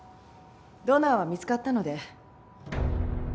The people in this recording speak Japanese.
ドナーは見つかったので。